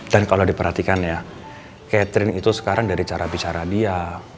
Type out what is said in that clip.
dan kalau diperhatikan ya catherine itu sekarang dari cara bicara dia